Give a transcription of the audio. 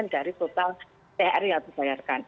dari total thr yang dibayarkan